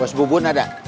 bos bubun ada